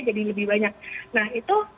jadi lebih banyak nah itu